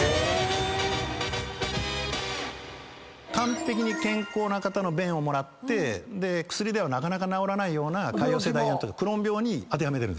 完璧に健康な方の便をもらって薬ではなかなか治らないようなクローン病に当てはめてるんです。